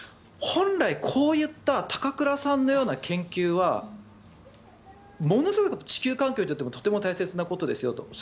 本来、こういった高倉さんのような研究はものすごく地球環境にとってとても大切なことですよと。